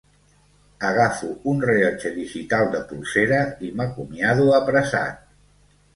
Agafo un rellotge digital de polsera i m'acomiado apressat.